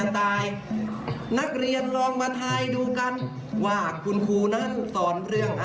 เตรงเตรงเตรงเตรง